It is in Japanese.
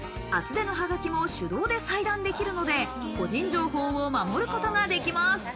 厚手のはがきも手動で裁断できるので、個人情報を守ることができます。